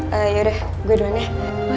yaudah gue dulunya